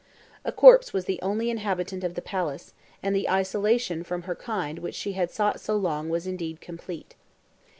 A corpse was the only inhabitant of the palace, and the isolation from her kind which she had sought so long was indeed complete.